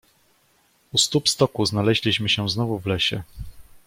"U stóp stoku znaleźliśmy się znowu w lesie."